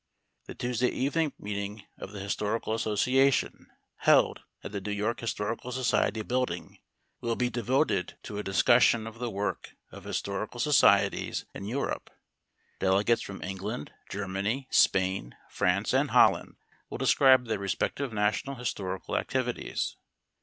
The Tuesday evening meeting of the Historical Association, held at the New York Historical Society Building, will be devoted to a discussion of the work of historical societies in Europe. Delegates from England, Germany, Spain, France and Holland will describe their respective national historical activities.